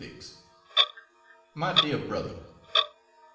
MY DEAR BROTHER